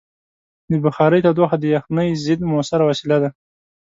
د بخارۍ تودوخه د یخنۍ ضد مؤثره وسیله ده.